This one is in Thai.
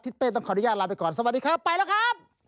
เป้ต้องขออนุญาตลาไปก่อนสวัสดีครับไปแล้วครับ